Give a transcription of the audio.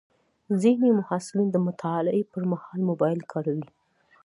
ځینې محصلین د مطالعې پر مهال موبایل کاروي.